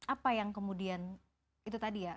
apa yang kemudian itu tadi ya